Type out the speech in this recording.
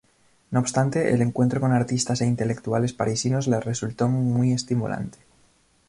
No obstante, el encuentro con artistas e intelectuales parisinos le resultó muy estimulante.